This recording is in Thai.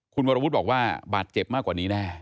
คุณวรวุฒิบอกว่าบาดเจ็บมากกว่านี้แน่